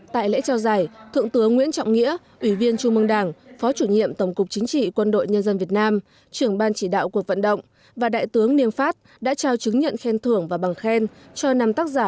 tại lễ trao giải thượng tướng nguyễn trọng nghĩa ủy viên trung mương đảng phó chủ nhiệm tổng cục chính trị quân đội nhân dân việt nam trưởng ban chỉ đạo cuộc vận động và đại tướng niêm phát đã trao chứng nhận khen thưởng và bằng khen cho năm tác giả